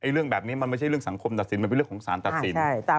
เรื่องแบบนี้มันไม่ใช่เรื่องสังคมตัดสินมันเป็นเรื่องของสารตัดสิน